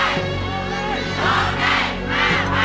ร้องได้ร้องได้ร้องได้ร้องได้